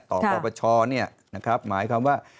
ต่อปรบประชาเนี่ยนะครับหมายคำว่า